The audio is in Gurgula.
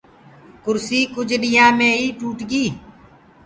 ڪُرسيٚ ڪجھُ ڏيآ مي هي ٽوٽ گئي۔